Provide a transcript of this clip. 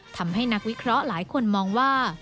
นักวิเคราะห์หลายคนมองว่า